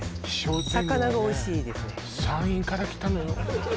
山陰から来たのよ